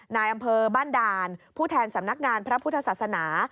นายอำเภอบ้านด่านผู้แทนสำนักงานพระพุทธศาสนา